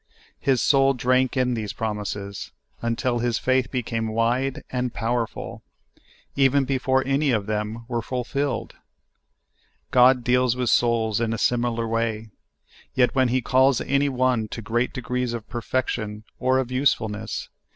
His soul drank in these promises, until his faith became wide and powerful, even before any of them were fulfilled. God deals with souls in a similar way ; yet when He calls any one to great degrees of perfection or of usefulness.